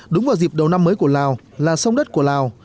đúng vào dịp đầu năm mới của lào là sông đất của lào